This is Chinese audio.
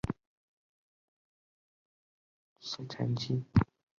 通常作生产聚酰胺的催化剂和制造软焊剂等。